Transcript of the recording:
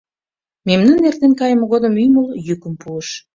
Мемнан эртен кайыме годым ӱмыл йӱкым пуыш: